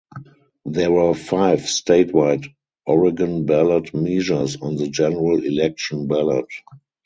There were five statewide Oregon ballot measures on the general election ballot.